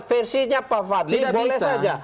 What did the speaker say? versinya pak fadli boleh saja